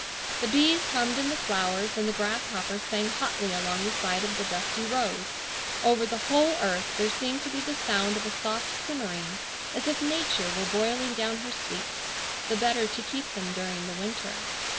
The bees hummed in the flowers, and the grasshoppers sang hotly along the side of the dusty road. Over the whole earth there seemed to be the sound of a soft simmering, as if nature were boiling down her sweets, the better to keep them during the winter.